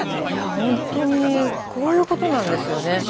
いやほんとにこういうことなんですよね。